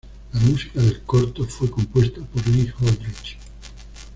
La música del corto fue compuesta por Lee Holdridge.